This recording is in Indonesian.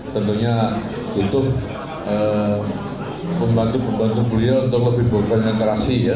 tentunya untuk membantu beliau untuk lebih berkonsentrasi ya